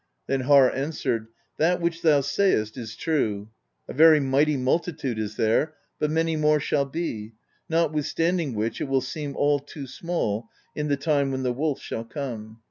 Then Harr answered: "That which thou sayest is true: a very mighty multitude is there, but many more shall be, notwithstanding which it will seem all too small, in the time when the Wolf shall come.